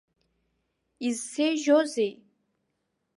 Изсеижьозеи?